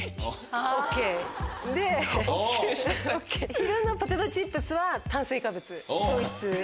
昼のポテトチップスは炭水化物糖質。